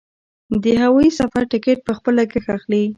د هوايي سفر ټکټ په خپل لګښت اخلي.